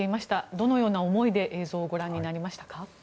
どのような思いで映像をご覧になりましたか？